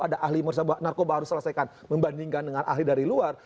ada ahli narkoba harus selesaikan membandingkan dengan ahli dari luar